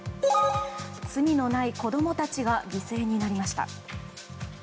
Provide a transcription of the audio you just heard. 罪のない子供たちが犠牲になりました。